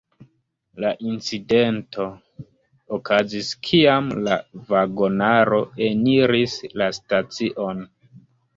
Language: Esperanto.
La incidento okazis kiam la vagonaro eniris la stacion.